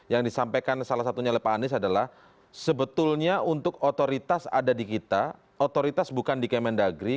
yang disampaikan salah satunya oleh pak anies adalah sebetulnya untuk otoritas ada di kita otoritas bukan di kemendagri